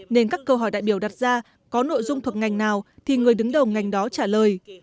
nên các câu hỏi đại biểu đặt ra có nội dung thuộc ngành nào thì người đứng đầu ngành đó trả lời